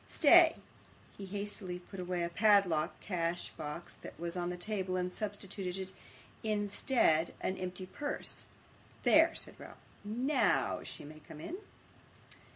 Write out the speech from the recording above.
Stay.' He hastily put away a padlocked cash box that was on the table, and substituted in its stead an empty purse. 'There,' said Ralph. 'NOW she may come in.